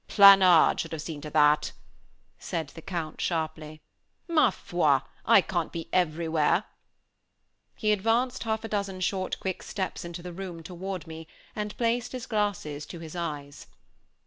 "Planard should have seen to that," said the Count, sharply. "Ma foi! I can't be everywhere!" He advanced half a dozen short quick steps into the room toward me, and placed his glasses to his eyes.